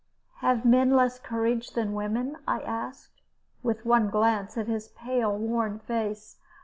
"Have men less courage than women?" I asked, with one glance at his pale worn face.